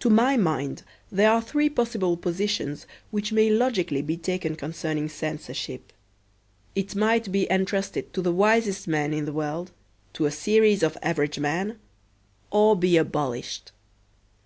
To my mind there are three possible positions which may logically be taken concerning censorship. It might be entrusted to the wisest man in the world, to a series of average men, or be abolished.